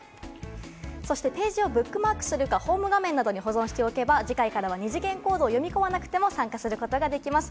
そしてページをブックマークするかホーム画面などに保存しておけば、次回からも二次元コードを読みこまなくても参加することができます。